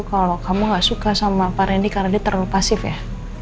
kalau kamu gak suka sama pak rendy karena dia terlalu pasif ya